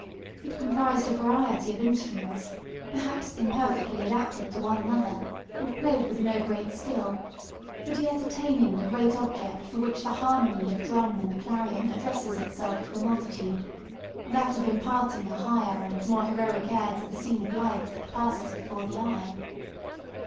It comprised a variety of instruments, perhaps imperfectly adapted to one another, and played with no great skill; but yet attaining the great object for which the harmony of drum and clarion addresses itself to the multitude—that of imparting a higher and more heroic air to the scene of life that passes before the eye.